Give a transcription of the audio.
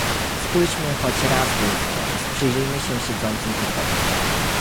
Spójrzmy choć raz w lustro i przyjrzyjmy się siędzącym tu posłom